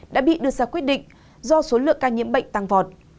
đã bị đưa ra quyết định do số lượng ca nhiễm bệnh tăng vọt